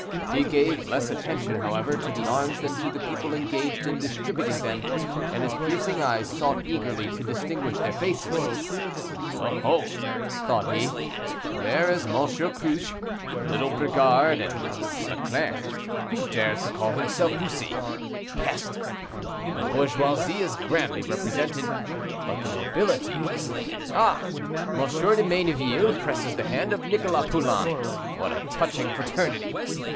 He gave less attention, however, to the arms than to the people engaged in distributing them, and his piercing eyes sought eagerly to distinguish their faces. "Oh! oh!" thought he, "there is M. Cruce, little Brigard and Leclerc, who dares to call himself Bussy. Peste! the bourgeoisie is grandly represented; but the nobility—ah! M. de Mayneville presses the hand of Nicholas Poulain; what a touching fraternity!